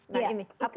nah ini apa